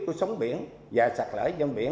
của sống biển và sạch lởi giang biển